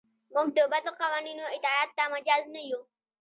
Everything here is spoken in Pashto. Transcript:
موږ د بدو قوانینو اطاعت ته مجاز نه یو.